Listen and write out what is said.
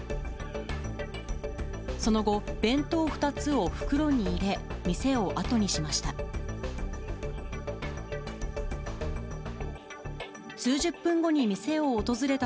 その後、弁当２つを袋に入れ、店を後にしました。